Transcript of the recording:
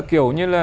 kiểu như là